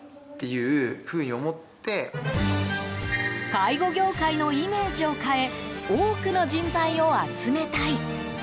介護業界のイメージを変え多くの人材を集めたい。